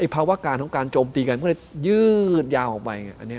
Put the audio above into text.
ภาวะการของการโจมตีกันก็เลยยืดยาวออกไป